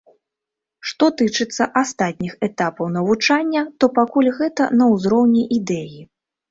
Што тычыцца астатніх этапаў навучання, то пакуль гэта на ўзроўні ідэі.